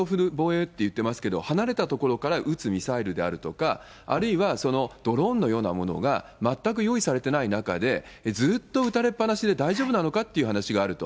これはスタンドオフ防衛っていってますけれども、離れた所から撃つミサイルであるとか、あるいはドローンのようなものが全く用意されてない中で、ずっと撃たれっぱなしで大丈夫なのかという話があると。